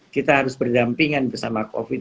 kita harus berdampingan bersama covid